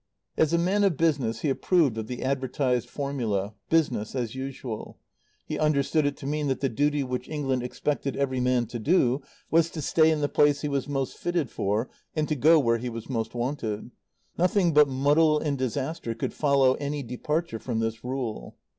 As a man of business he approved of the advertised formula: "Business as Usual." He understood it to mean that the duty which England expected every man to do was to stay in the place he was most fitted for and to go where he was most wanted. Nothing but muddle and disaster could follow any departure from this rule.